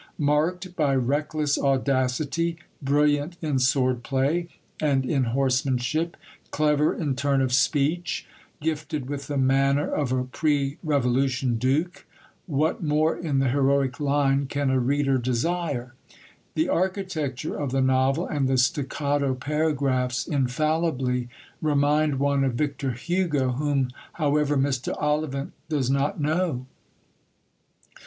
Marked by reckless audacity, brilliant in swordplay and in horsemanship, clever in turn of speech, gifted with the manner of a pre Revolution Duke what more in the heroic line can a reader desire? The architecture of the novel and the staccato paragraphs infallibly remind one of Victor Hugo, whom, however, Mr. Ollivant does not know.